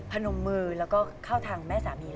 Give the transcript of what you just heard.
พนมมือแล้วก็เข้าทางแม่สามี